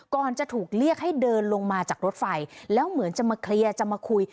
ก่อนจะถูกเรียกให้เดินลงมาจากรถไฟแล้วเหมือนจะมาเคลียร์จะมาคุย